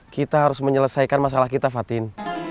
kita harus menyelesaikan masalah kita fatin